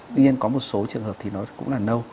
tuy nhiên có một số trường hợp thì nó cũng là đâu